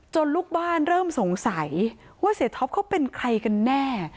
ลูกบ้านเริ่มสงสัยว่าเสียท็อปเขาเป็นใครกันแน่